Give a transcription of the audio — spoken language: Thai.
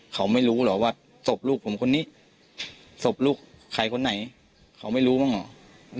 เขาไม่รู้เหรอว่าศพลูกผมคนนี้ศพลูกใครคนไหนเขาไม่รู้บ้างเหรอ